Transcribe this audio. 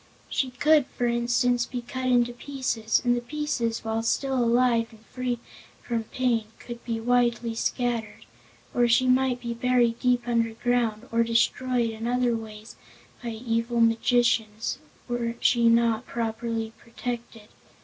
She could, for instance be cut into pieces, and the pieces, while still alive and free from pain, could be widely scattered; or she might be buried deep underground or "destroyed" in other ways by evil magicians, were she not properly protected.